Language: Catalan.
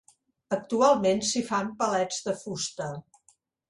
Actualment s’hi fan palets de fusta.